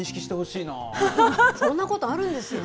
そんなことあるんですね。